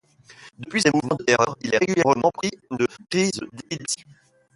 Depuis ces moments de terreur il est régulièrement pris de crises d’épilepsie.